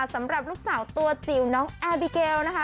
สำหรับลูกสาวตัวจิ๋วน้องแอร์บิเกลนะคะ